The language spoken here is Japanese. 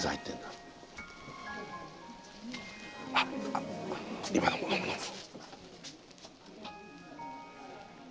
あっ今飲む飲む。